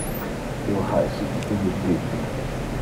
Io ha essite dimittite.